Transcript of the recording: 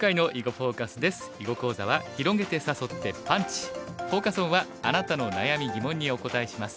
フォーカス・オンは「あなたの悩み疑問にお答えします！